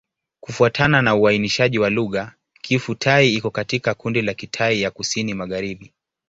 Kufuatana na uainishaji wa lugha, Kiphu-Thai iko katika kundi la Kitai ya Kusini-Magharibi.